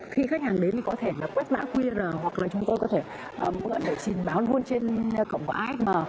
khi khách hàng đến thì có thể quét mã qr hoặc là chúng tôi có thể mượn để xin báo luôn trên cổng của asm